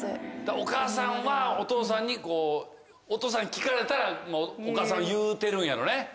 お母さんはお父さんにお父さんに聞かれたらお母さんは言うてるんやろね。